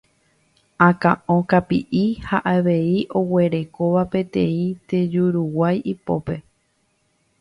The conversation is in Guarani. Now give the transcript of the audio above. akão kapi'i ha avei oguerekóva peteĩ tejuruguái ipópe